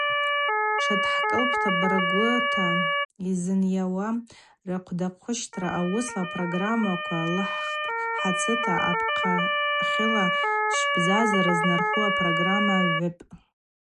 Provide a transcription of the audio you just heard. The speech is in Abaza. Тшадхӏкӏылпӏта баргвырата йзынйауа рахъвдаквыщтра ауысла апрограммаква лыхӏхпӏ, хӏацыта апхъахьыла швбзазара знархару апрограмма гӏгӏвыпӏ.